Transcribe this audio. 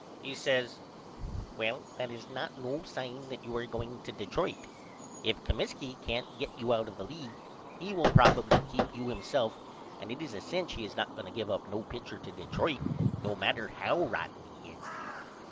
He says Well that is not no sign that you are going to Detroit. If Comiskey can't get you out of the league he will probily keep you himself and it is a cinch he is not going to give no pitcher to Detroit no matter how rotten he is.